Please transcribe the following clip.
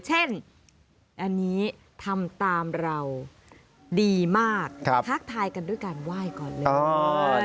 เช่นอันนี้ทำตามเราดีมากทักทายกันด้วยการไหว้ก่อนเลย